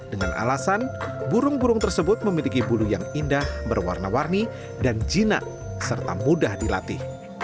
dengan alasan burung burung tersebut memiliki bulu yang indah berwarna warni dan jinak serta mudah dilatih